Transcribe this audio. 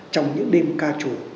trong những đêm ca trù